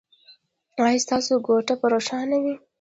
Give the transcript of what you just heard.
ایا ستاسو کوټه به روښانه وي؟